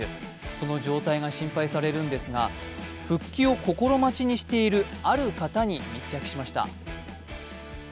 その状態が心配されるんですが、復帰を心待ちにしているある方に密着しました。